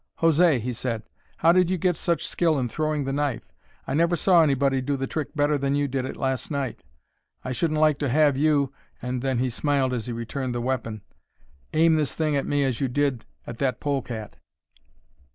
"José," he said, "how did you get such skill in throwing the knife? I never saw anybody do the trick better than you did it last night. I shouldn't like to have you," and he smiled as he returned the weapon, "aim this thing at me as you did at that polecat."